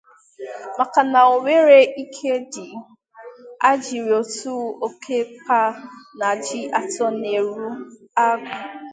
maka na o nwere ike ndị a jiri otu okeọkpa na ji atọ na-arụ agwụ